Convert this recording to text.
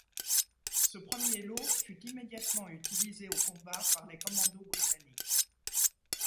Ce premier lot fut immédiatement utilisé au combat par les Commandos britanniques.